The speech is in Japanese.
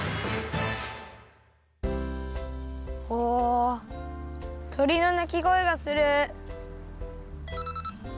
おとりのなきごえがする。